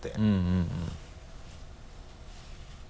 うんうん。